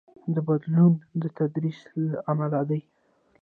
دا بدلون د تدریس له امله دی.